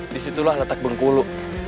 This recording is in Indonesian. disitulah letak bungkulu